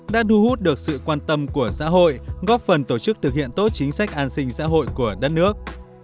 đã đu hút được sự quan tâm của xã hội góp phần tổ chức thực hiện tốt chính sách an sinh xã hội của đất nước